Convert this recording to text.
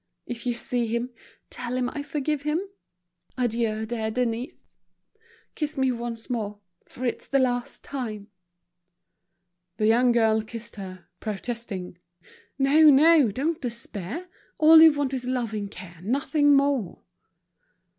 If you see him, tell him I forgive him. Adieu, dear Denise. Kiss me once more, for it's the last time." The young girl kissed her, protesting: "No, no, don't despair, all you want is loving care, nothing more."